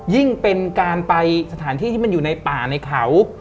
ยิ่งเป็นการไปสถานที่ที่มันอยู่ในป่าในเขา